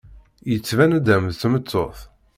Yettban-d am tmeṭṭut.